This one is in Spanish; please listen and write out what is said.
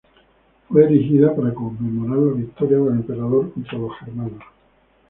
Fue erigida para conmemorar la victoria del emperador contra los Germanos.